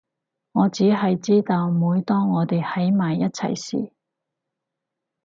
我只係知道每當我哋喺埋一齊時